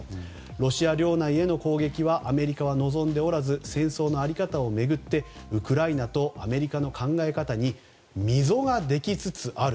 ロシア領内への攻撃はアメリカは望んでおらず戦争の在り方を巡ってウクライナとアメリカの考え方に溝ができつつある。